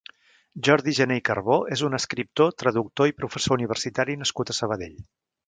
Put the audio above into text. Jordi Jané i Carbó és un escriptor, traductor i professor universitari nascut a Sabadell.